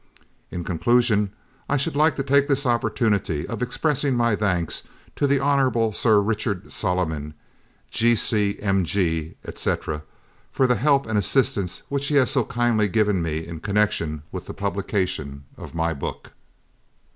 In conclusion, I should like to take this opportunity of expressing my thanks to the Honourable Sir Richard Solomon, G.C.M.G., etc., for the help and assistance which he has so kindly given me in connection with the publication of my book.